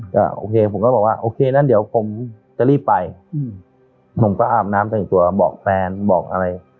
ก็โอเคผมก็บอกว่าโอเคงั้นเดี๋ยวผมจะรีบไปผมก็อาบน้ำแต่งตัวบอกแฟนบอกอะไร